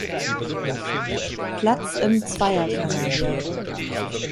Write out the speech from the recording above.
Platz im Zweier-Canadier.